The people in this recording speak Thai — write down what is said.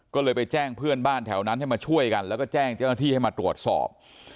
ก็เลยไปแจ้งเพื่อนบ้านแถวนั้นให้มาช่วยกันแล้วก็แจ้งเจ้าหน้าที่ให้มาตรวจสอบ